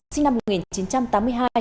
sinh năm một nghìn chín trăm tám mươi hai